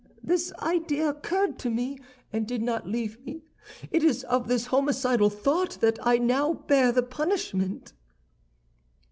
"This idea occurred to me, and did not leave me; it is of this homicidal thought that I now bear the punishment."